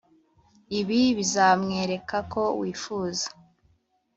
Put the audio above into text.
ibi bizamwereka ko wifuza